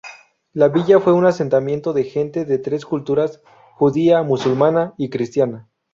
La villa fue un asentamiento de gente de tres culturas: judía, musulmana y cristiana.